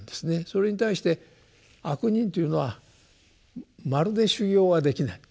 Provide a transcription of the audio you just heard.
それに対して「悪人」というのはまるで修行はできない。